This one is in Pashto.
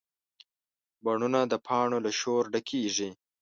بڼونه د پاڼو له شور ډکېږي